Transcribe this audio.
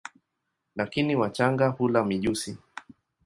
Lakini wachanga hula mijusi.